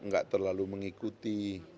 nggak terlalu mengikuti